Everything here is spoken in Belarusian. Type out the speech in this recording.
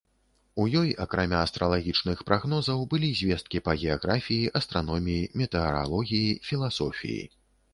У ёй, акрамя астралагічных прагнозаў, былі звесткі па геаграфіі, астраноміі, метэаралогіі, філасофіі.